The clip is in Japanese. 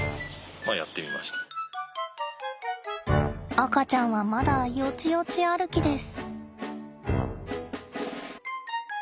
赤ちゃんはまだよちよち歩きです。